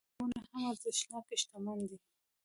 غمونه هم ارزښتناکه شتمني ده.